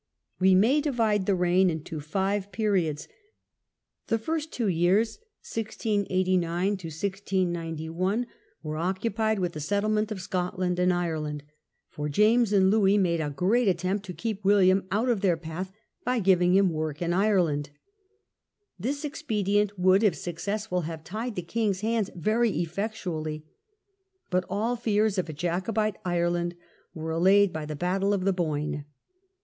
We may divide the reign into five periods. The first two years (i 689 1 691) were occupied with the settlement of Scotland and Ireland, for James and Louis Periods of made a great attempt to keep William out of »« ^^^^n. their path by giving him work in Ireland. This expedient would, if successful, have tied the king^s hands very effect ually. But all fears of a Jacobite Ireland were allayed by the battle of the Boyne.